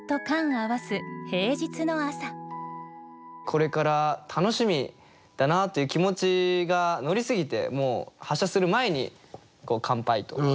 これから楽しみだなという気持ちが乗りすぎてもう発車する前に乾杯と。